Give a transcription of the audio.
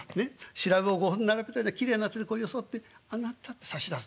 白魚５本並べたようなきれいな手でこうよそって『あなた』って差し出す。